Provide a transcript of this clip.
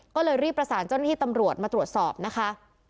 ก็เลยรีบประสานเจ้าหน้าที่ตำรวจมาตรวจสอบนะคะ